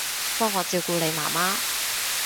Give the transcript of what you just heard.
幫我照顧你媽媽